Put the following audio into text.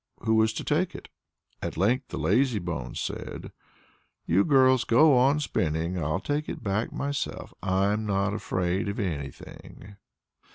Who was to take it? At length the lazybones said: "You girls go on spinning. I'll take it back myself. I'm not afraid of anything!"